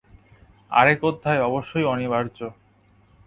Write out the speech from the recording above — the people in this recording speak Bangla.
আরেক অধ্যায় অবশ্যই অনিবার্য।